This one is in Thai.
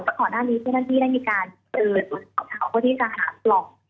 ก็ขอด้านนี้เพื่อนด้านที่ได้มีการเจอวันเท่าที่จะหาปล่อง